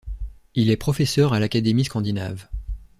Il est professeur à l'Académie scandinave.